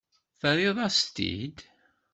Terriḍ-as-t-id.